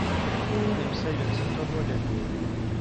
پێم سەیرە چەتۆ بۆ دەگری.